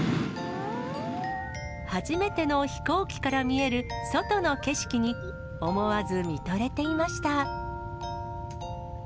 初めての飛行機から見える外の景色に、思わず見とれていました。